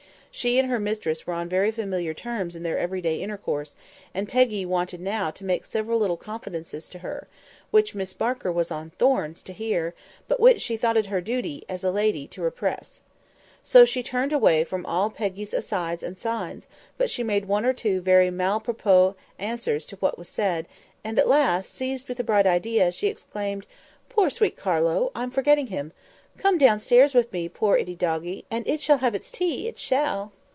She and her mistress were on very familiar terms in their every day intercourse, and Peggy wanted now to make several little confidences to her, which Miss Barker was on thorns to hear, but which she thought it her duty, as a lady, to repress. So she turned away from all Peggy's asides and signs; but she made one or two very malapropos answers to what was said; and at last, seized with a bright idea, she exclaimed, "Poor, sweet Carlo! I'm forgetting him. Come downstairs with me, poor ittie doggie, and it shall have its tea, it shall!"